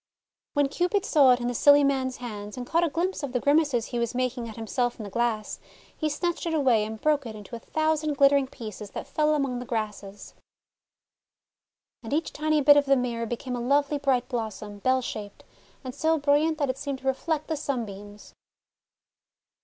When Cupid saw it in the silly man's hands, and caught a glimpse of the grimaces he was making at himself in the glass, he snatched it away, and broke it into a thousand glittering pieces that fell among the grasses. And each tiny bit of the mirror became a lovely bright blossom, bell shaped, and so bril liant that it seemed to reflect the sunbeams.